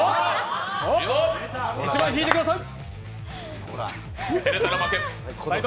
１枚引いてください。